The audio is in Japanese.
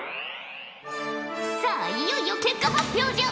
さあいよいよ結果発表じゃ。